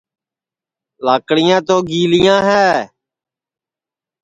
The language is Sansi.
لاکڑیاں تو گیلیاں ہے